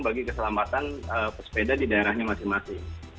bagi keselamatan pesepeda di daerahnya masing masing